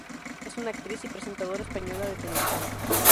Es una actriz y presentadora española de televisión.